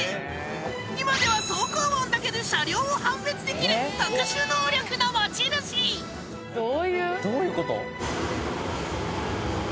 今では走行音だけで車両を判別できる特殊能力の持ち主どういう？